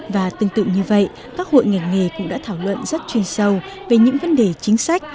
và tương tự như vậy các hội ngành nghề nghề cũng đã thảo luận rất chuyên sâu về những vấn đề chính sách